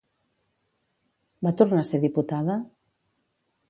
Va tornar a ser diputada?